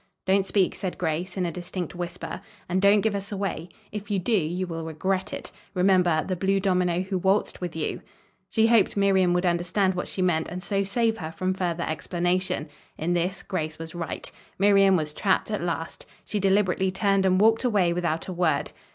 "Don't speak," said Grace, in a distinct whisper, "and don't give us away. If you do, you will regret it. Remember the blue domino who waltzed with you!" She hoped Miriam would understand what she meant and so save her from further explanation. In this Grace was right. Miriam was trapped at last. She deliberately turned and walked away without a word.